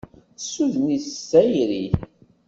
Tessuden-it s tayri.